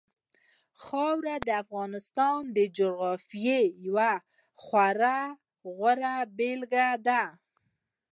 خاوره د افغانستان د جغرافیې یوه خورا غوره بېلګه ده.